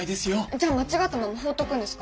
じゃあ間違ったまま放っとくんですか？